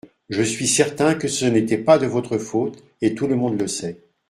Je suis certain que ce n’était pas de votre faute et tout le monde le sait.